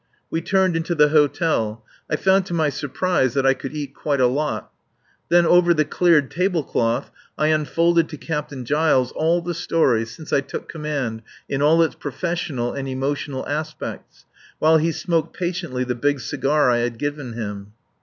We turned into the hotel. I found to my surprise that I could eat quite a lot. Then over the cleared table cloth I unfolded to Captain Giles the history of these twenty days in all its professional and emotional aspects, while he smoked patiently the big cigar I had given him.